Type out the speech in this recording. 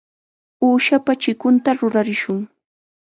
Uushapa chikunta rurarishun.